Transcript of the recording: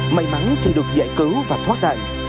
may mắn chỉ được giải cứu và thoát đạn